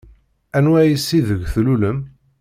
Anwa ass ideg tlulem?